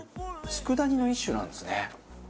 佃煮の一種なんですね。